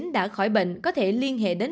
đã khỏi bệnh có thể liên hệ đến